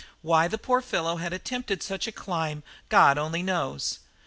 Why the poor fellow had attempted such a climb, God only knows.